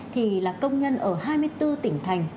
thì là công nhân ở hai mươi bốn tỉnh thành